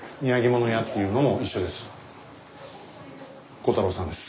鋼太郎さんです。